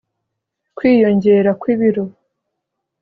Kwiyongera kw’ibiro